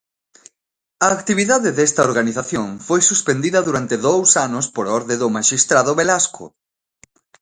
A actividade desta organización foi suspendida durante dous anos por orde do maxistrado Velasco.